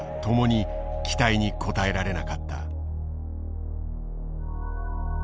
ともに期待に応えられなかった。